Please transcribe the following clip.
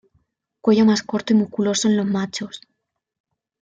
Cuello más corto y musculoso en los machos.